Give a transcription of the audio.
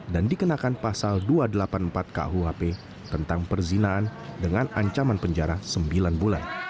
dan dikenakan pasal dua ratus delapan puluh empat kuhp tentang perizinahan dengan ancaman penjara sembilan bulan